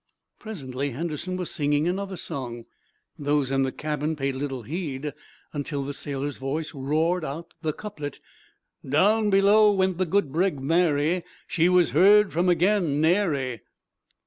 Presently Henderson was singing another song. Those in the cabin paid little heed until the sailor's voice roared out the couplet: _Down below went the good brig Mary! She was heard from again nary!